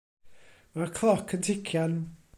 Mae'r cloc yn tician.